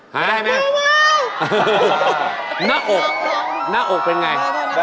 หาได้มั้ย